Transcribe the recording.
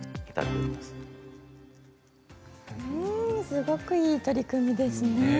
すごくいい取り組みですね。